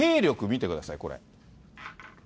見てください、これ。